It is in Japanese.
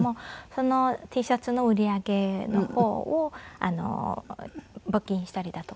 そのＴシャツの売り上げの方を募金したりだとか。